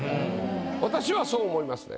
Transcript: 私はそう思いますね。